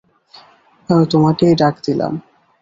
আমি তোমাকেই ডাক ছিলাম।